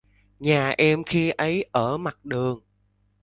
Nhà em khi ấy ở mặt đường